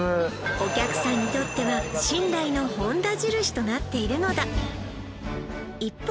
お客さんにとっては信頼の本田印となっているのだ一方